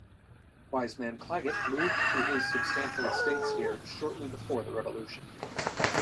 Wiseman Claget moved to his substantial estates here shortly before the Revolution.